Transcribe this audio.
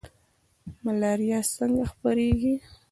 ملاریا څنګه خپریږي؟